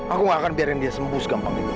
aku gak akan biarkan dia sembuh segampang itu